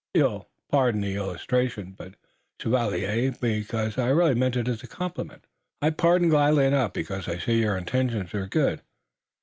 You'll pardon the illustration, chevalier, because I really mean it as a compliment." "I pardon gladly enough, because I see your intentions are good.